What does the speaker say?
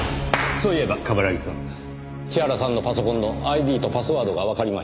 そういえば冠城くん千原さんのパソコンのＩＤとパスワードがわかりました。